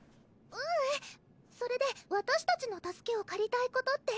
ううんそれでわたしたちの助けをかりたいことって？